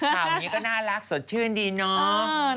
ข่าวนี้ก็น่ารักสดชื่นดีเนาะ